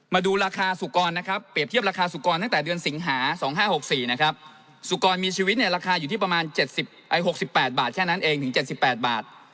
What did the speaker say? มาดูราคาสุกรนะครับเปรียบเทียบราคาสุกรตั้งแต่เดือนสิงหา๒๕๖๔นะครับสุกรมีชีวิตเนี่ยราคาอยู่ที่ประมาณ๖๘บาทแค่นั้นเองถึง๗๘บาท